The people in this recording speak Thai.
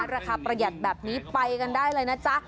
ประหยัดแบบนี้ไปกันได้เลยนะจ๊ะ